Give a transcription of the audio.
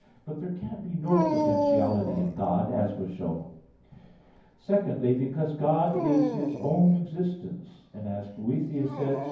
But there can be no potentiality in God, as was shown (Q. 2, A. 3). Secondly, because God is His own existence; and as Boethius says (Hebdom.)